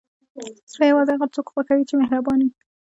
زړه یوازې هغه څوک خوښوي چې مهربان وي.